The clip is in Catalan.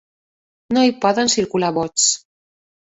No hi poden circular bots.